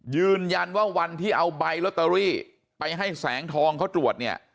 ยืนยันว่าวันที่เอาใบลอตเตอรี่ไปให้แสงทองเขาตรวจเนี่ย